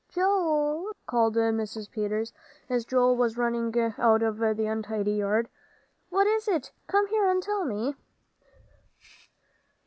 "Joel," called Mrs. Peters, as Joel was running out of the untidy yard, "what is it? Come here and tell me."